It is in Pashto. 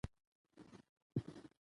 پړانګ ونو ترمنځ ګرځي.